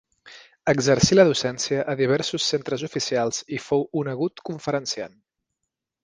Exercí la docència a diversos centres oficials i fou un agut conferenciant.